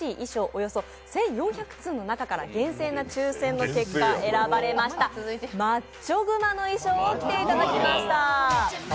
およそ１４００通の中から厳正な抽選の結果、選ばれましたマッチョ熊の衣装を着ていただきました。